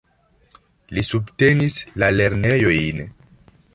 Li subtenis la lernejojn.